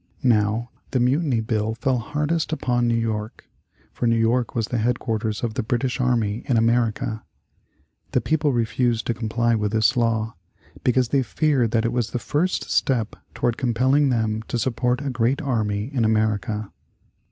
Now the Mutiny Bill fell hardest upon New York, for New York was the head quarters of the British army in America. The people refused to comply with this law, because they feared that it was the first step toward compelling them to support a great army in America.